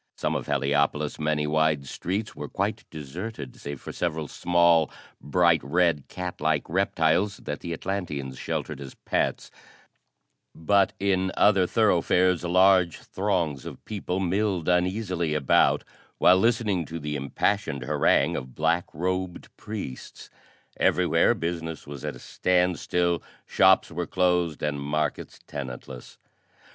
Some of Heliopolis' many wide streets were quite deserted save for several small, bright red cat like reptiles that the Atlanteans sheltered as pets, but in other thoroughfares large throngs of people milled uneasily about, while listening to the impassioned harangue of black robed priests. Everywhere business was at a standstill, shops were closed and markets tenantless.